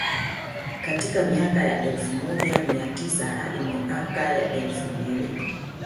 Katika miaka ya elfu moja mia tisa hadi miaka ya elfu mbili